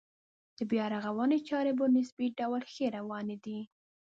د بیا رغونې چارې په نسبي ډول ښې روانې دي.